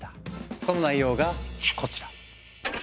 その内容がこちら。